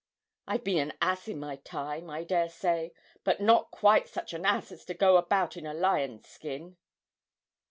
I've been an ass in my time, I dare say, but not quite such an ass as to go about in a lion's skin!'